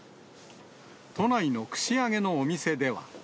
都内の串揚げのお店では。